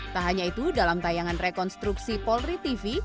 tak hanya itu dalam tayangan rekonstruksi polri tv